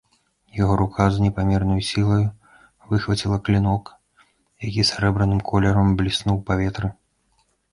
Яго рука з непамернаю сілаю выхваціла клінок, які сярэбраным колерам бліснуў у паветры.